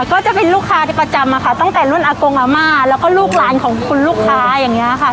ก็จะเป็นลูกค้าประจำอะค่ะตั้งแต่รุ่นอากงอาม่าแล้วก็ลูกหลานของคุณลูกค้าอย่างนี้ค่ะ